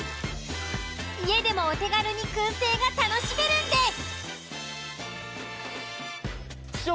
家でもお手軽に燻製が楽しめるんです。